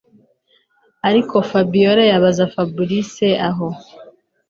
ariko Fabiora yabaza Fabric aho